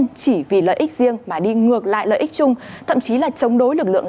không chỉ vì lợi ích riêng mà đi ngược lại lợi ích chung thậm chí là chống đối lực lượng